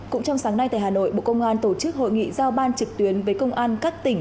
cũng trong sáng nay tại hà nội bộ công an tổ chức hội nghị giao ban trực tuyến với công an các tỉnh